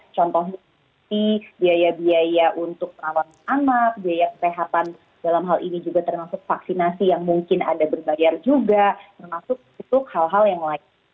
contohnya biaya biaya untuk perawat anak biaya kesehatan dalam hal ini juga termasuk vaksinasi yang mungkin ada berbayar juga termasuk untuk hal hal yang lain